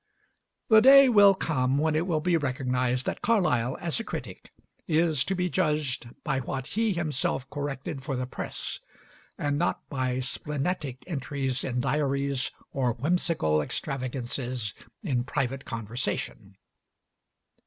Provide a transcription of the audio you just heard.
The day will come when it will be recognized that Carlyle, as a critic, is to be judged by what he himself corrected for the press, and not by splenetic entries in diaries, or whimsical extravagances in private conversation.